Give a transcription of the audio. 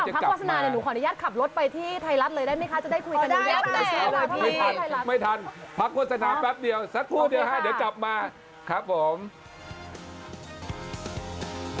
จะได้คุยกันอย่างแบบนี้ไม่ทันพักวัฒนาแป๊บเดียวสักครู่เดียวค่ะเดี๋ยวกลับมาครับผมโอเคค่ะ